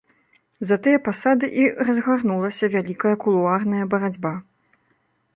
За тыя пасады і разгарнулася вялікая кулуарная барацьба.